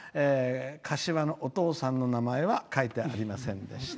柏のお父さんの名前は書いてありませんでした。